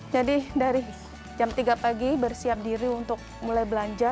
jadi dari jam tiga pagi bersiap diri untuk mulai belanja